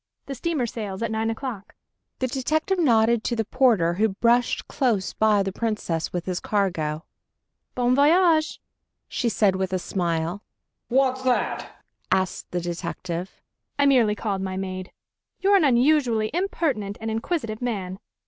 The steamer sails at nine o'clock." The detective nodded to the porter, who brushed close by the Princess with his cargo. "Bon voyage!" she said with a smile. "What's that?" asked the detective. "I merely called my maid. You're an unusually impertinent and inquisitive man.